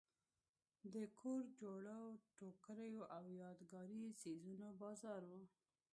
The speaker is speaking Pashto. د کور جوړو ټوکریو او یادګاري څیزونو بازار و.